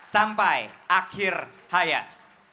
sampai akhir hayat